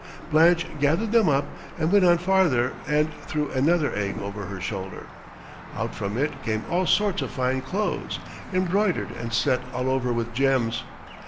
Blanche gathered them up, and went on farther, and threw another egg over her shoulder. Out from it came all sorts of fine clothes, embroidered and set all over with gems.